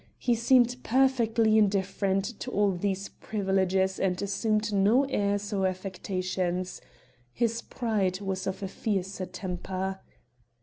He seemed perfectly indifferent to all these privileges and assumed no airs or affectations. His pride was of a fiercer temper.